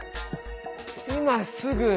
今すぐ！